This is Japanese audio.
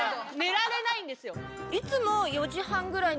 いつも。